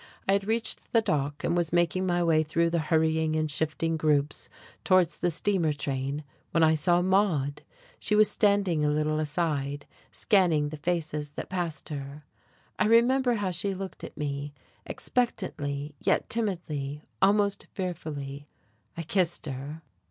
I had reached the dock and was making my way through the hurrying and shifting groups toward the steamer train when I saw Maude. She was standing a little aside, scanning the faces that passed her. I remember how she looked at me, expectantly, yet timidly, almost fearfully. I kissed her.